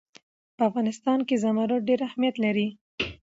په افغانستان کې زمرد ډېر اهمیت لري.